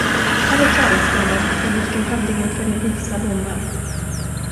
Här är talarstolen, från vilken hövdingen fäller visa domar.